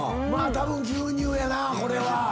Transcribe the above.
たぶん牛乳やなぁこれは。